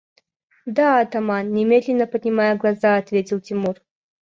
– Да, атаман, – медленно поднимая глаза, ответил Тимур.